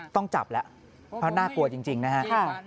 ต้องจับแล้วเพราะน่ากลัวจริงนะครับ